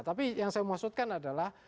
tapi yang saya maksudkan adalah